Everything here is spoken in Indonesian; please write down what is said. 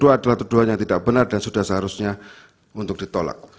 itu adalah tuduhan yang tidak benar dan sudah seharusnya untuk ditolak